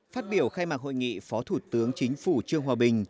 phát biểu khai mạc hội nghị phó thủ tướng chính phủ trương hòa bình